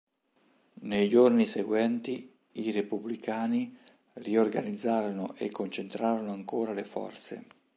Nei giorni seguenti i repubblicani riorganizzarono e concentrarono ancora le forze.